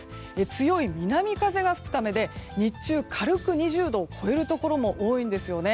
強い南風が吹くためで日中、軽く２０度を超えるところも多いんですよね。